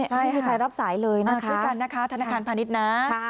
ไม่มีใครรับสายเลยนะช่วยกันนะคะธนาคารพาณิชย์นะ